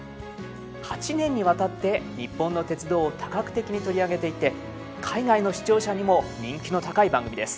８年にわたって日本の鉄道を多角的に取り上げていて海外の視聴者にも人気の高い番組です。